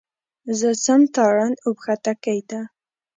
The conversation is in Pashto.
زه ځم تارڼ اوبښتکۍ ته.